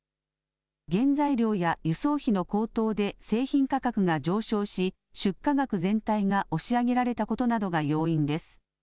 原材料や輸送費の高騰で製品価格が上昇し、出荷額全体が押し上げられたことなどが要因です。